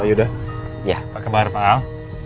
pak yuda apa kabar pak al